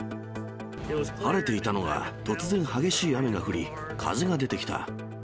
晴れていたのが突然、激しい雨が降り、風が出てきた。